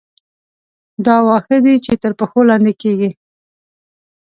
دا واښه دي چې تر پښو لاندې کېږي.